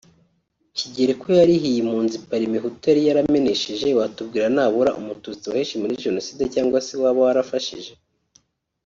Kigeli ko yarihiye impunzi parmehutu yali yaramenesheje watubwira nabura umututsi wahishe muli genocide cyangwa se waba warafashije